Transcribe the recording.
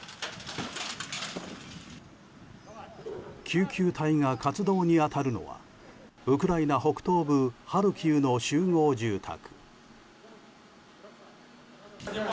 救急隊が活動に当たるのはウクライナ北東部ハルキウの集合住宅。